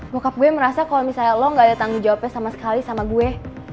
mokap gue merasa kalau misalnya lo gak ada tanggung jawabnya sama sekali sama gue